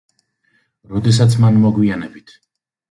როდესაც მან მოგვიანებით.